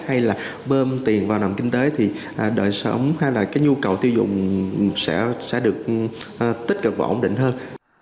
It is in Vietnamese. hay là bơm tiền vào nền kinh tế thì đời sống hay là cái nhu cầu tiêu dùng sẽ được tích cực và ổn định hơn